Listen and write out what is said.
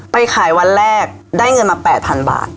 ไปขายวันแรกได้เงินมา๘๐๐๐บาท